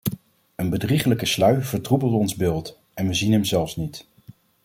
Een bedrieglijke sluier vertroebelt ons beeld, en we zien hem zelfs niet.